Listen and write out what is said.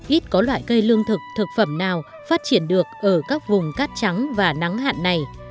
ít có loại cây lương thực thực phẩm nào phát triển được ở các vùng cát trắng và nắng hạn này